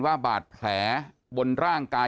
ว่าบาดแผลบนร่างกาย